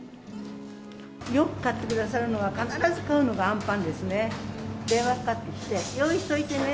よく買ってくださるのは、必ず買うのがあんぱんですね。